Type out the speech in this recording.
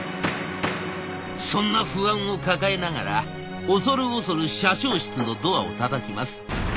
そんな不安を抱えながら恐る恐る社長室のドアをたたきます。